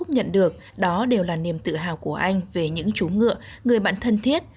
nhận được đó đều là niềm tự hào của anh về những chú ngựa người bạn thân thiết